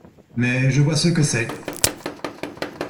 Mais je vois ce que c’est…